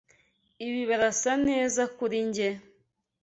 Ibi birasa neza kuri njye?